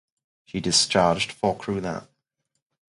She discharged four crew there.